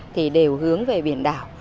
thì đều hướng về biển đảo